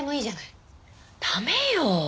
駄目よ。